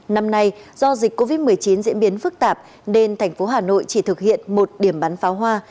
năm nay do dịch covid một mươi chín diễn biến phức tạp nên thành phố hà nội chỉ thực hiện một điểm bắn pháo hoa